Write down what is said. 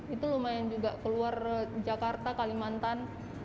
itu lumayan juga keluar jakarta kalimantan